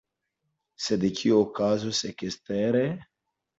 Sed kio okazos ekstere?